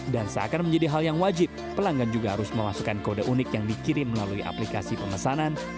dan seakan menjadi hal yang wajib pelanggan juga harus memasukkan kode unik yang dikirim melalui aplikasi pemesanan